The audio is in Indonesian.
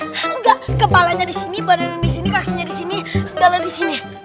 nggak kepalanya di sini badannya di sini kakinya di sini sendalanya di sini